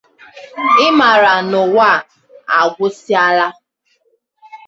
ị mara na ụwa ya agwụsịala.